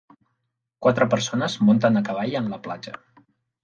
Quatre persones munten a cavall en la platja.